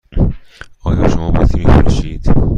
آیا شما باطری می فروشید؟